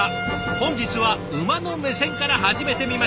本日は馬の目線から始めてみました。